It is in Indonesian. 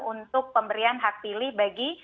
untuk pemberian hak pilih bagi